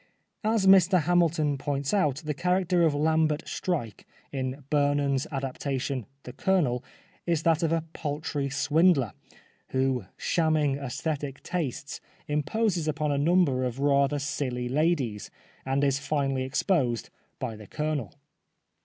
As Mr Hamilton points out, the character of Lambert Streyke, in Burnand's adaptation The Colonel, is that of a paltry swindler, who shamming aesthetic tastes imposes upon a number of rather silly ladies, and is finally exposed by The Colonel.